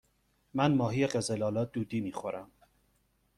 من ماهی قزل آلا دودی می خورم.